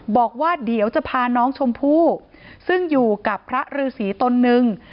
บอกว่าเดี๋ยวจะพาน้องชมพู่ซึ่งอยู่กับพระฤษีตนนึง